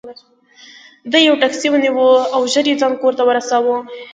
ده یوه ټکسي ونیوله او ژر یې ځان کور ته ورساوه.